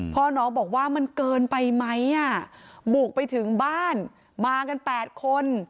พ่อน้องบอกว่ามันเกินไปไหมบุกไปถึงบ้านมากัน๘คน